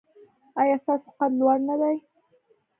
ایا ستاسو قد لوړ نه دی؟